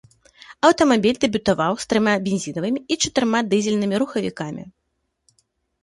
Аўтамабіль дэбютаваў з трыма бензінавымі і чатырма дызельнымі рухавікамі.